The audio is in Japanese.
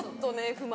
不満